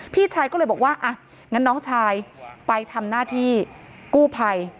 พี่ชายก็เลยบอกว่าอ่ะงั้นน้องชายไปทำหน้าที่กู้ภัย